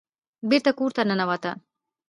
بېرته کور ته ننوت.